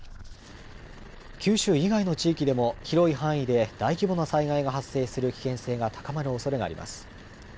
九州以外の地域でも広い範囲で大規模な災害が発生する危険性が高まるおそれがあります。